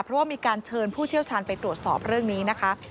เพราะว่ามีการเชิญผู้เชี่ยวชาญไปตรวจสอบเรื่องนี้นะคะ